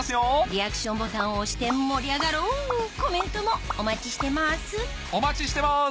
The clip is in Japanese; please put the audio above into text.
リアクションボタンを押して盛り上がろうコメントもお待ちしてます